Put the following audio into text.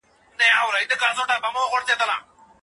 سید قطب شهید یو لوی عالم و.